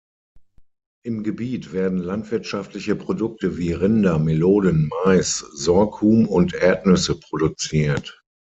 Im Gebiet werden landwirtschaftliche Produkte wie Rinder, Melonen, Mais, Sorghum und Erdnüsse produziert.